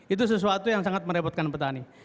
itu sesuatu yang sangat merepotkan petani